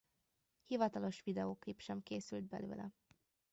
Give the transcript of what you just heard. Hivatalos videóklip sem készült belőle.